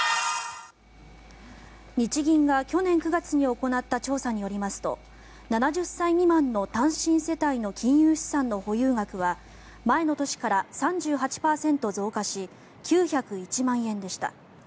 日銀が去年９月に行った調査によりますと７０歳未満の単身世帯の金融資産の保有額は前の年から３８％増加し９０１万円でした。